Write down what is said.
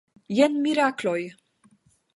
Jen mirakloj!